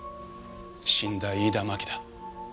死んだ飯田真紀だ。